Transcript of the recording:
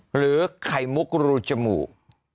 หรือไข่มุกรูจมูก